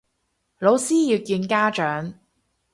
老師要見家長